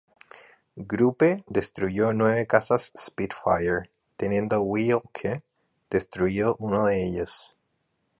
Gruppe destruyó nueve cazas Spitfire, teniendo Wilcke destruido uno de ellos.